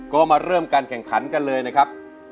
ก็มาเริ่มการแข่งขันกันเลยนะครับ